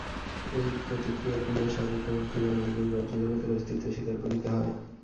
এই প্রতিক্রিয়া ক্রিয়া-সাপেক্ষ এবং ক্রিয়া মানিলেই বাহ্য জগতের অস্তিত্ব স্বীকার করিতে হয়।